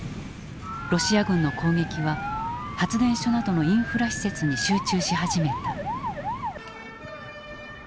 ロシア軍の攻撃は発電所などのインフラ施設に集中し始めた。